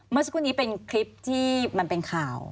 มันจอดอย่างง่ายอย่างง่ายอย่างง่าย